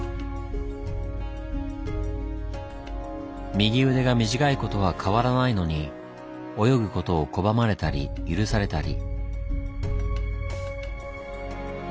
右腕が短いことは変わらないのに泳ぐことを拒まれたり許されたり。